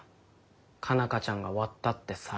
佳奈花ちゃんが割ったって皿。